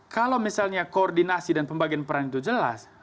kalau misalnya koordinasi dan pembagian peran itu jelas